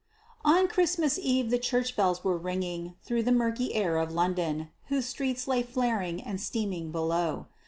On Christmas Eve the church bells were ringing through the murky air of London, whose streets lay flaring and steaming below.